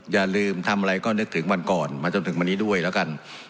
อย่าลืมทำอะไรก็นึกถึงวันก่อนมาจนถึงวันนี้ด้วยแล้วกัน